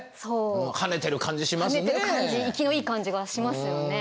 跳ねてる感じ生きのいい感じがしますよね。